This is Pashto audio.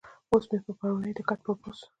اوس مې پۀ پروني د کرکټ پۀ پوسټ